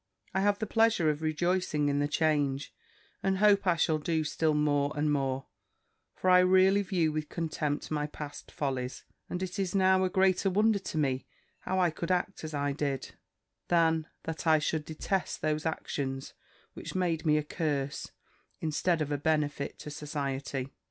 I have the pleasure of rejoicing in the change, and hope I shall do so still more and more; for I really view with contempt my past follies; and it is now a greater wonder to me how I could act as I did, than that I should detest those actions, which made me a curse, instead of a benefit to society.